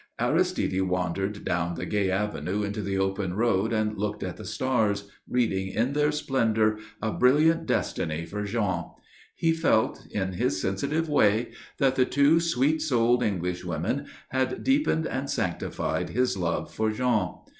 Aristide wandered down the gay avenue into the open road and looked at the stars, reading in their splendour a brilliant destiny for Jean. He felt, in his sensitive way, that the two sweet souled Englishwomen had deepened and sanctified his love for Jean.